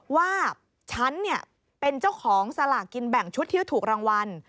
ว่าฉันเป็นเจ้าของสลากกินแบ่งชุดที่ถูกรางวัล